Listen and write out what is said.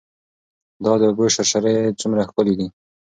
دا د اوبو شرشرې څومره ښکلې دي.